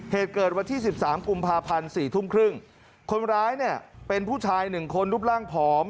เหตุเกิดวันที่สิบสามกุมภาพันธ์สี่ทุ่มครึ่งคนร้ายเนี่ยเป็นผู้ชายหนึ่งคนรูปร่างผอม